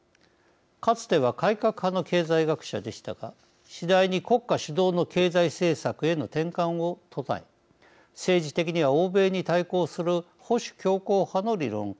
かつては改革派の経済学者でしたが次第に国家主導の経済政策への転換を唱え政治的には欧米に対抗する保守強硬派の理論家となりました。